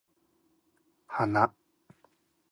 花